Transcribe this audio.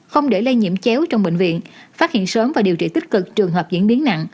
không để lây nhiễm chéo trong bệnh viện phát hiện sớm và điều trị tích cực trường hợp diễn biến nặng